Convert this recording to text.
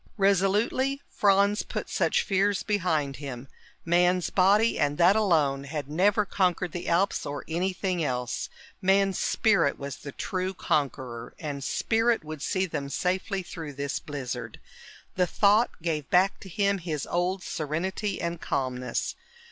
Resolutely Franz put such fears behind him. Man's body, and that alone, had never conquered the Alps or anything else. Man's spirit was the true conqueror, and spirit would see them safely through this blizzard. The thought gave back to him his old serenity and calmness.